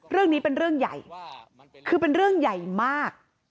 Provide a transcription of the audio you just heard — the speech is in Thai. เรื่องนี้เป็นเรื่องใหญ่คือเป็นเรื่องใหญ่มาก